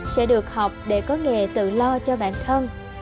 sẽ được học để có nghề tự lo cho bản thân